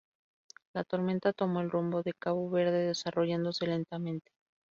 La tormenta tomó el rumbo de Cabo Verde desarrollándose lentamente.